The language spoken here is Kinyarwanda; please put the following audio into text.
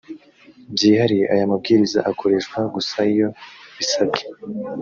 byihariye aya mabwiriza akoreshwa gusa iyo bisabwe